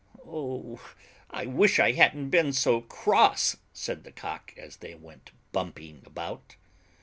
"Oh! I wish I hadn't been so cross," said the Cock, as they went bumping about.